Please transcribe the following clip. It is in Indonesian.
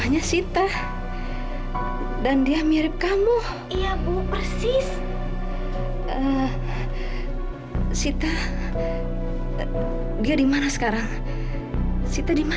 ya udah ibu kita pulang aja